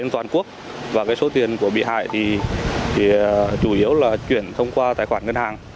toàn quốc và cái số tiền của bị hại thì chủ yếu là chuyển thông qua tài khoản ngân hàng